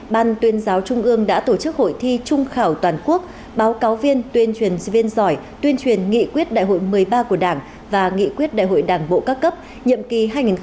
ban tuyên giáo trung ương đã tổ chức hội thi trung khảo toàn quốc báo cáo viên tuyên truyền sinh viên giỏi tuyên truyền nghị quyết đại hội một mươi ba của đảng và nghị quyết đại hội đảng bộ các cấp nhiệm kỳ hai nghìn hai mươi hai nghìn hai mươi năm